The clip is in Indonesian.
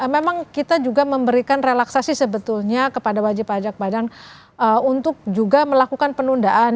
memang kita juga memberikan relaksasi sebetulnya kepada wajib pajak badan untuk juga melakukan penundaan